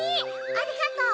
ありがとう！